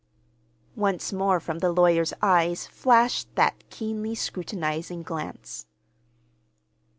Once more from the lawyer's eyes flashed that keenly scrutinizing glance.